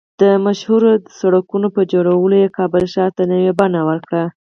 د مشهورو سړکونو په جوړولو یې کابل ښار ته نوې بڼه ورکړه